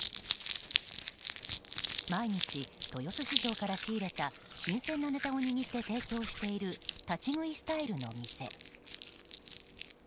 毎日、豊洲市場から仕入れた新鮮なネタを握って提供している立ち食いスタイルの店。